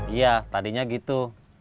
iya tadinya gitu